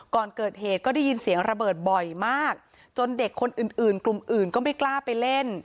ก่อนเกิดเหตุก็ได้ยินเสียงระเบิดบ่อยมากจนเด็กคนอื่นอื่นกลุ่มอื่นก็ไม่กล้าไปเล่น